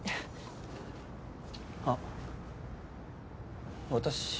あっ私